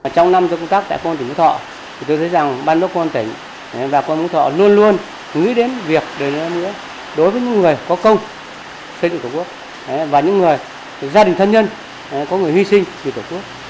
trong năm do công tác tại công an tỉnh phú thọ tôi thấy rằng ban đốc công an tỉnh và công an tỉnh phú thọ luôn luôn nghĩ đến việc đối với những người có công xây dựng tổ quốc và những người gia đình thân nhân có người huy sinh vì tổ quốc